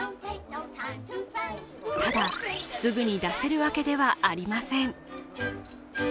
ただ、すぐに出せるわけではありません。